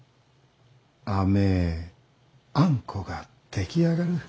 甘えあんこが出来上がる。